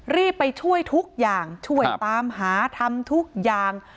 รีบไปช่วยทุกอย่างช่วยตามหาทำทุกอย่าง